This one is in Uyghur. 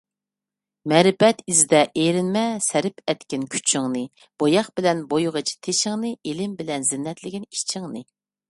مەرىپەت ئىزدە ئېرىنمە، سەرىپ ئەتكىن كۈچىڭنى؛ بوياق بىلەن بويىغىچە تېشىڭنى ، ئىلىم بىلەن زىننەتلىگىن ئىچىڭنى.